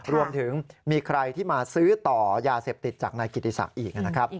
รวมถึงมีใครที่มาซื้อต่อยาเสพติดจากนายกิติศักดิ์อีกนะครับ